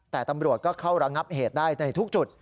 หรือให้บรวชก็เข้าระงับเหตุได้ในทุกจุด